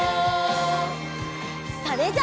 それじゃあ。